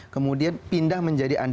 kemudian pindah menjadi ahok